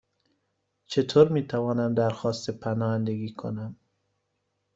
چطور می توانم درخواست پناهندگی کنم؟